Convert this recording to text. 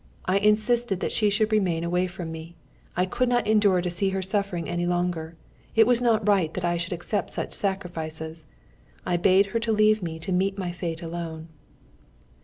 I insisted that she should remain away from me. I could not endure to see her suffering any longer. It was not right that I should accept such sacrifices. I bade her leave me to meet my fate alone.